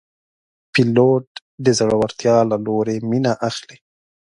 پیلوټ د زړورتیا له لورې مینه اخلي.